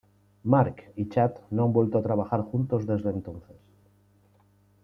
Mark y Chad no han vuelto a trabajar juntos desde entonces.